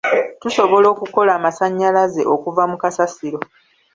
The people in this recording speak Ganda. Tusobola okukola amasannyalaze okuva mu kasasiro.